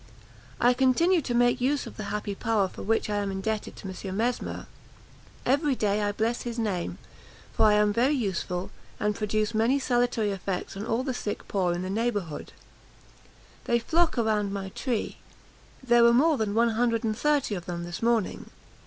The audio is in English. I continue to make use of the happy power for which I am indebted to M. Mesmer. Every day I bless his name; for I am very useful, and produce many salutary effects on all the sick poor in the neighbourhood. They flock around my tree; there were more than one hundred and thirty of them this morning.